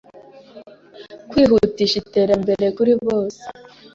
kwihutisha iterambere kuri bose